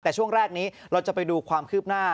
แต่ช่วงแรกนี้เราจะไปดูความคืบหน้า